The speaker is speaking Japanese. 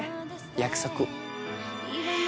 約束。